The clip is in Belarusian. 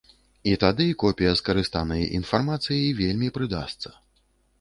І тады копія скарыстанай інфармацыі вельмі прыдасца.